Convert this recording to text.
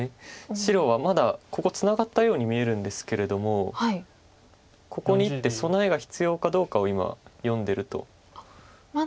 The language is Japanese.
白はまだここツナがったように見えるんですけれどもここに１手備えが必要かどうかを今読んでると思います。